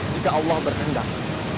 jika allah berkendang